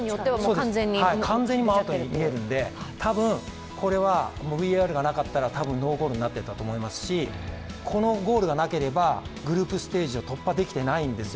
完全にアウトに見えるので、たぶんこれは、ＶＡＲがなかったらノーゴールになっていたと思いますし、このゴールがなければグループステージを突破できていないんですよ。